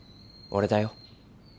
俺だよ。